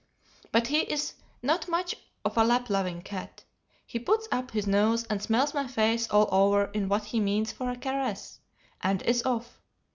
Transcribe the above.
But he is not much of a lap loving cat. He puts up his nose and smells my face all over in what he means for a caress, and is off.